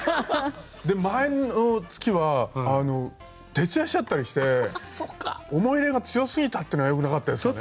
前の月は徹夜しちゃったりして思い入れが強すぎたっていうのがよくなかったですかね。